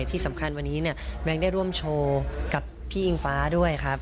ที่สำคัญวันนี้เนี่ยแบงค์ได้ร่วมโชว์กับพี่อิงฟ้าด้วยครับ